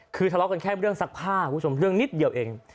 คือทะเลาะกันแค่เรื่องซักผ้าคุณผู้ชมเรื่องนิดเดียวเอง